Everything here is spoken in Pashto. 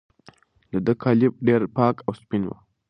د ده کالي ډېر پاک او سپین وو.